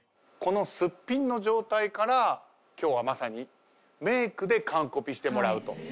このすっぴんの状態から今日はまさにメークでカンコピしてもらうと。